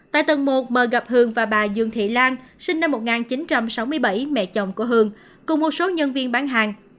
tại tầng một m gặp hương và bà dương thị lan sinh năm một nghìn chín trăm sáu mươi bảy mẹ chồng của hường cùng một số nhân viên bán hàng